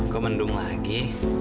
kok mendung lagi